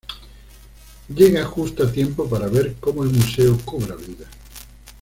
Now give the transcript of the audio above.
Llega justo a tiempo para ver cómo el museo cobra vida.